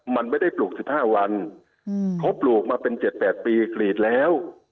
มันไม่ได้ปลูก๑๕วันเขาปลูกมาเป็น๗๘ปีกรีดแล้ว